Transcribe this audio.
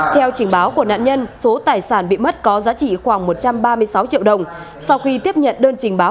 theo trình báo của nạn nhân số tài sản bị mất có giá trị khoảng một trăm ba mươi sáu triệu đồng